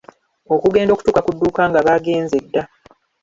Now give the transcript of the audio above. Okugenda okutuuka ku dduuka nga baagenze dda.